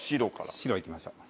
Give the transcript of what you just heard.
白行きましょう。